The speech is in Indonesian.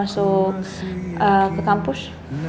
aku masuk ke kampus